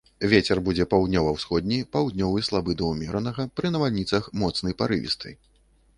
Вецер будзе паўднёва-ўсходні, паўднёвы, слабы да ўмеранага, пры навальніцах моцны парывісты.